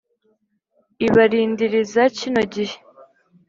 ibarindiriza kino gihe